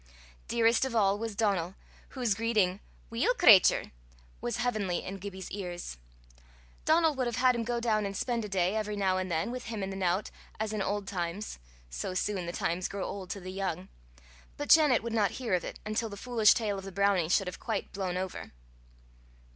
Dearest of all was Donal, whose greeting "Weel, cratur," was heavenly in Gibbie's ears. Donal would have had him go down and spend a day, every now and then, with him and the nowt, as in old times so soon the times grow old to the young! but Janet would not hear of it, until the foolish tale of the brownie should have quite blown over.